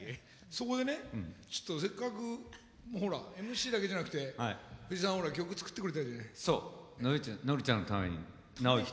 そこでねちょっとせっかくほらＭＣだけじゃなくて藤井さんほら曲作ってくれたじゃない。